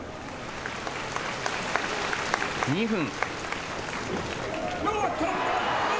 ２分。